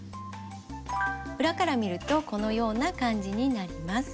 裏から見るとこのような感じになります。